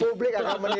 publik akan menilai